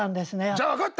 じゃあ分かった！